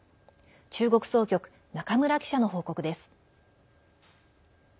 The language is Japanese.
中国総局、中村記者の報告です。